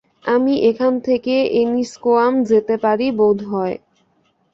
আমি এখান থেকে এনিস্কোয়াম যেতে পারি বোধ হয়।